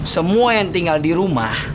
semua yang tinggal di rumah